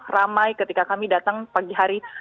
ramai ketika kami datang pagi hari